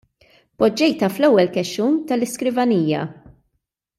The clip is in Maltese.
Poġġejtha fl-ewwel kexxun tal-iskrivanija.